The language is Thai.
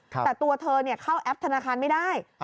แต่ตัวเธอเข้าแอปธนาคารไม่ได้